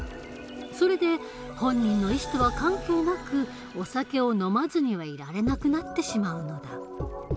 それで本人の意思とは関係なくお酒を飲まずにはいられなくなってしまうのだ。